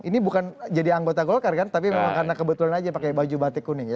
ini bukan jadi anggota golkar kan tapi memang karena kebetulan aja pakai baju batik kuning ya